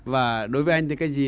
và đối với anh thì cái gì